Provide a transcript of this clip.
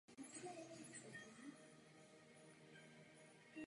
Mezinárodní justiční spolupráce v trestních věcech se realizuje ve dvou směrech.